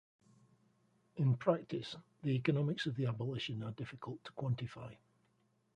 In practice, the economics of the abolition are difficult to quantify.